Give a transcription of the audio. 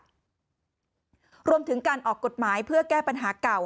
รวมถึงการออกกฎหมายเพื่อแก้ปัญหาเก่า